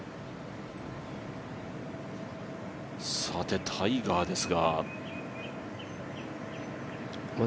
さてタイガーですが。